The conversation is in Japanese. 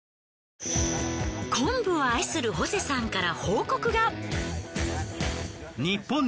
昆布を愛するホセさんから。